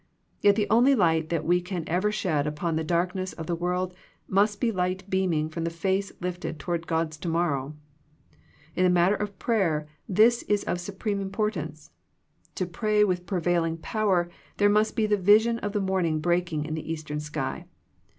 Yet the only light that we can ever shed upon the dark ness of the world must be light beaming from the face lifted towards God's to morrow. In the matter of prayer this is of supreme importance. To pray with prevailing power there must be the vision of the morning breaking in the Eastern sky.